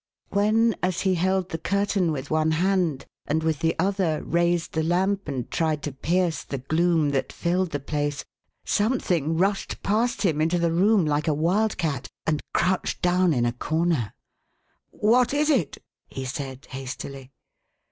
" When, as he held the curtain with one hand, and with the other raised the lamp and tried to pierce the gloom that filled the place, something rushed past him into the room like a wild cat, and crouched down in a comer. "What is it?" he said, hastily.